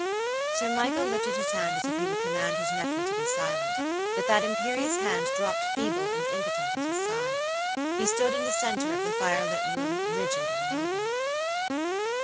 Sir Michael lifted his hand as if he would command his nephew to be silent, but that imperious hand dropped feeble and impotent at his side. He stood in the center of the fire lit room rigid and immovable.